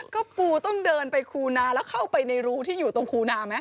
ก็ปูต้องเดินไปคูนาแล้วเข้าไปในรูที่อยู่ตรงคูนาไหม